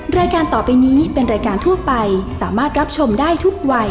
รายการต่อไปนี้เป็นรายการทั่วไปสามารถรับชมได้ทุกวัย